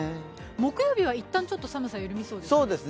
木曜日はいったん寒さが緩みそうですね。